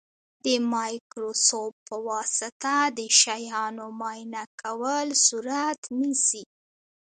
د مایکروسکوپ په واسطه د شیانو معاینه کول صورت نیسي.